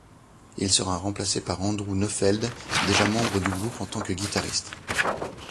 Il sera remplacé par Andrew Neufeld, déjà membre du groupe en tant que guitariste.